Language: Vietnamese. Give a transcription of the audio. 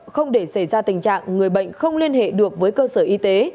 không để xảy ra tình trạng người bệnh không liên hệ được với cơ sở y tế